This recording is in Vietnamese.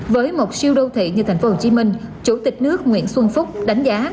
với mục siêu đô thị như tp hcm chủ tịch nước nguyễn xuân phúc đánh giá